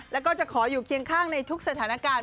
แล้วก็จะขออยู่เคียงข้างในทุกสถานการณ์